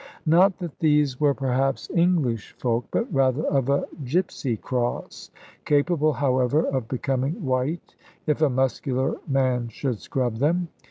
Not that these were perhaps English folk, but rather of a Gipsy cross, capable, however, of becoming white if a muscular man should scrub them.